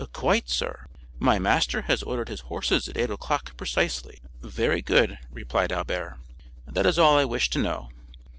"Quite, sir; my master has ordered his horses at eight o'clock precisely." "Very good," replied Albert; "that is all I wished to know."